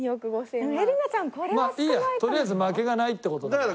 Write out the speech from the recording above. とりあえず負けがないって事だから。